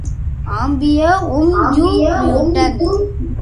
Ampere, ohm, joule, Newton.